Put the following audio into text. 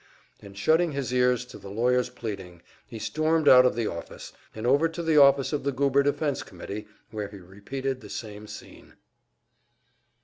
And shutting his ears to the lawyer's pleading, he stormed out of the office, and over to the office of the Goober Defense Committee, where he repeated the same scene.